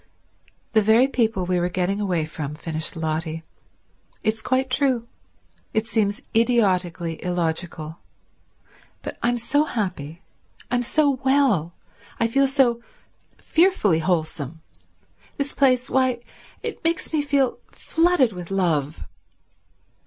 "The very people we were getting away from," finished Lotty. "It's quite true. It seems idiotically illogical. But I'm so happy, I'm so well, I feel so fearfully wholesome. This place—why, it makes me feel flooded with love."